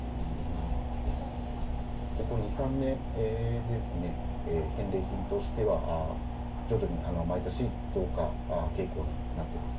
ここ２、３年ですね、返礼品としては、徐々に毎年、増加傾向になってます。